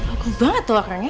agung banget tuh akarnya